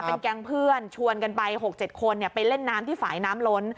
เป็นแก๊งเพื่อนชวนกันไป๖๗คนไปเล่นน้ำที่ฝ่ายน้ำล้น